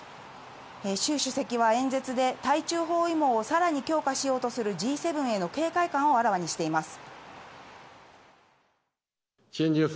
習主席は演説は、対中包囲網をさらに強化しようとするＧ７への警戒感をあらわにしています。